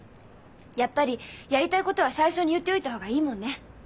やっぱりやりたいことは最初に言っておいた方がいいもんね。